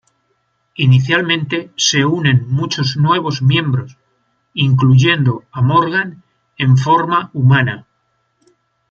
Inicialmente se unen muchos nuevos miembros, incluyendo a Morgan en forma humana.